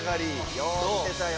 よう見てたよ。